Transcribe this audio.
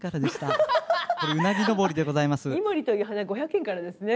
井森という花５００円からですね。